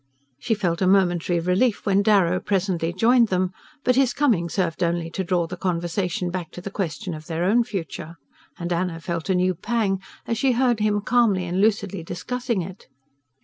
She felt a momentary relief when Darrow presently joined them; but his coming served only to draw the conversation back to the question of their own future, and Anna felt a new pang as she heard him calmly and lucidly discussing it.